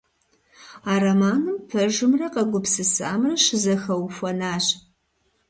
А романым пэжымрэ къэгупсысамрэ щызэхэухуэнащ.